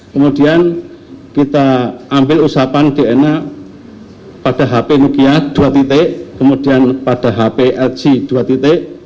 kemudian kita ambil usapan dna pada hp nukiat dua titik kemudian pada hp lg dua titik